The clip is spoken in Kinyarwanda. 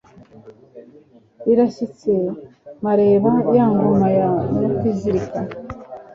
Irashyitse Mareba Ya ngoma ya Mutizirika